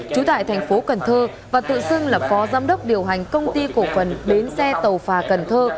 trú tại thành phố cần thơ và tự xưng là phó giám đốc điều hành công ty cổ phần bến xe tàu phà cần thơ